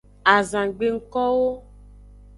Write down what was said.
Azangbe ngkowo.